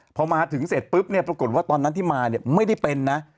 พอมาถึงเสร็จปุ๊บเนี่ยปรากฏว่าตอนนั้นที่มาเนี่ยไม่ได้เป็นนะ